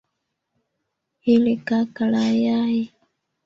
Hili kaka la yai